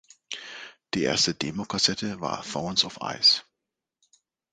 Die erste Demokassette war "Thorns of Ice".